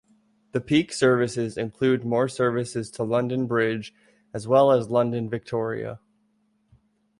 The peak services include more services to London Bridge as well as London Victoria.